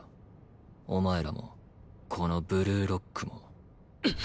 お前らもこのブルーロックも。